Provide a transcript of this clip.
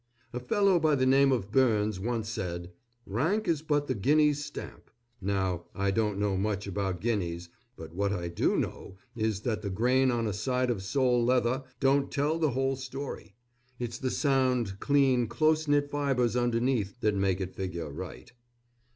A fellow by the name of Burns once said, "Rank is but the guinea's stamp"; now, I don't know much about guineas, but what I do know is that the grain on a side of sole leather don't tell the whole story. It's the sound, clean, close knit fibers underneath that make it figure right.